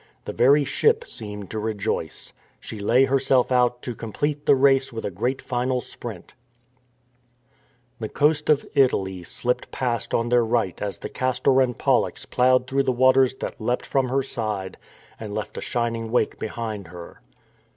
The very ship seemed to rejoice. She lay herself out to complete the race with a great final sprint. The coast of Italy slipped past on their right as the Castor ' Epictetus Enchiridion, 33. THE CASTOR AND POLLUX 339 and Pollux ploughed through the waters that leapt from her side and left a shining wake behind her.